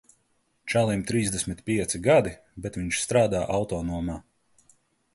Čalim trīsdesmit pieci gadi, bet viņš strādā autonomā.